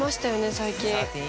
最近。